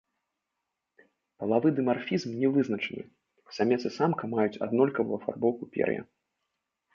Палавы дымарфізм не вызначаны, самец і самка маюць аднолькавую афарбоўку пер'я.